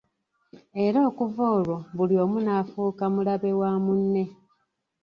Era okuva olwo buli omu n'afuuka mulabe wa mune!